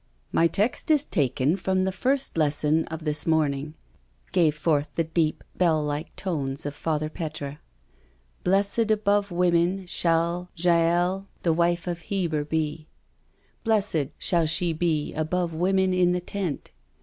" My text is taken from the first lesson of this morning," gave forth the deep, bell like tones of Father Petre —" Blessed above women shall Jael the wife 196 NO SURRENDER of Heber be. Blessed shall she be above women in the tent.